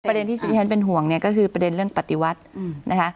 ประเด็นที่สิ่งที่ฉันเป็นห่วงเนี่ยก็คือประเด็นเรื่องปฏิวัตินะคะ